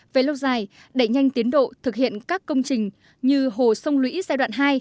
về lâu dài đẩy nhanh tiến độ thực hiện các công trình như hồ sông lũy giai đoạn hai